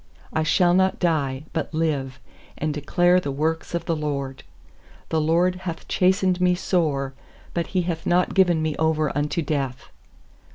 17I shall not die, but live, And declare the works of the LORD. 18The LORD hath chastened me sore; But He hath not given me over unto death.